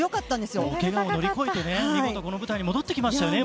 けがを乗り越えて見事にこの舞台に戻ってきましたよね。